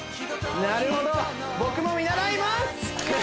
なるほど僕も見習います！